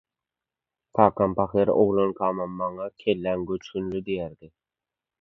Kakam pahyr oglankamam maňa «Kelläň göçgünli» diýerdi.